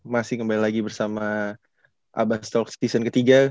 masih kembali lagi bersama abastalk season ketiga